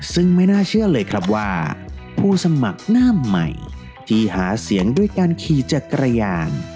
ซึ่งไม่น่าเชื่อเลยครับว่าผู้สมัครหน้าใหม่ที่หาเสียงด้วยการขี่จักรยาน